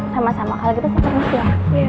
sama sama kalau gitu saya kerja